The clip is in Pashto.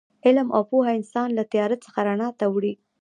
علم او پوهه انسان له تیاره څخه رڼا ته وړي.